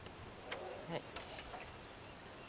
はい。